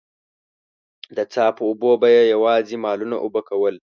د څاه په اوبو به يې يواځې مالونه اوبه کول.